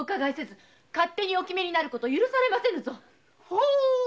ほう。